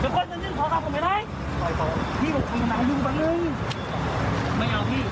ผมขอให้คุณดีแล้วนะ